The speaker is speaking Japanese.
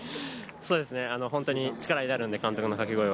本当に力になるので、監督のかけ声は。